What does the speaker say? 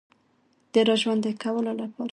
د را ژوندۍ کولو لپاره